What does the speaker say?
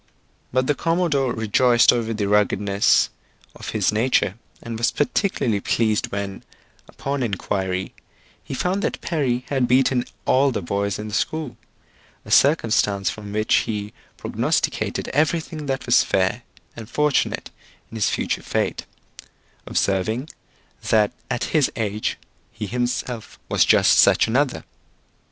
But the commodore rejoiced over the ruggedness of his nature, and was particularly pleased when, upon inquiry, he found that Perry had beaten all the boys in the school; a circumstance from which he prognosticated everything that was fair and fortunate in his future fate: observing, that at his age he himself was just such another.